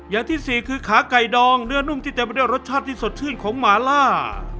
อย่างที่สี่คือขาไก่ดองเนื้อนุ่มที่เต็มไปด้วยรสชาติที่สดชื่นของหมาล่า